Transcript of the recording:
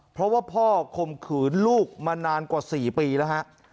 เพราะว่าพ่อคมขืนลูกมานานกว่า๔ปีแล้วฮะ